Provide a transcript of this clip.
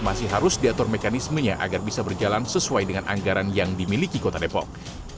masih harus diatur mekanismenya agar bisa berjalan sesuai dengan anggaran yang dimiliki kota depok